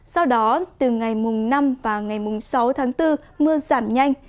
sau đó từ ngày mùng năm và ngày mùng sáu tháng bốn mưa giảm nhanh